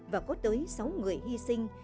và có tới sáu người hy sinh